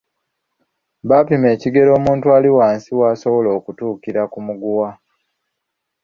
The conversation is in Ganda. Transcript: Bapima ekigero omuntu ali wansi w’asobola okutuukira ku muguwa.